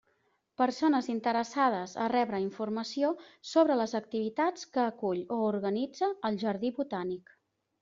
Persones interessades a rebre informació sobre les activitats que acull o organitza el Jardí Botànic.